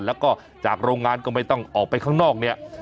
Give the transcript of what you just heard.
แล้วก็จากโรงงานก็ไม่ต้องออกไปข้างนอกเนี่ย